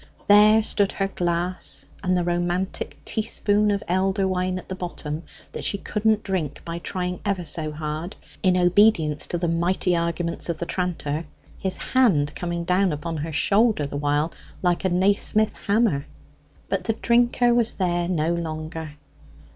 There stood her glass, and the romantic teaspoonful of elder wine at the bottom that she couldn't drink by trying ever so hard, in obedience to the mighty arguments of the tranter (his hand coming down upon her shoulder the while, like a Nasmyth hammer); but the drinker was there no longer.